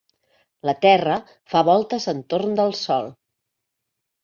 La Terra fa voltes entorn del Sol.